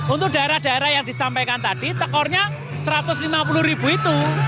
untuk daerah daerah yang disampaikan tadi tekornya satu ratus lima puluh ribu itu